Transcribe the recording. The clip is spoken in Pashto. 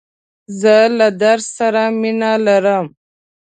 زه له درس سره مینه لرم.